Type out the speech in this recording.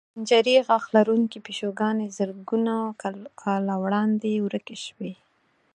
خنجري غاښ لرونکې پیشوګانې زرګونو کاله وړاندې ورکې شوې.